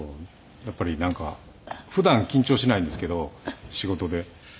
やっぱりなんか普段緊張しないんですけど仕事で。